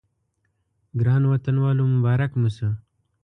ګرانو وطنوالو مبارک مو شه.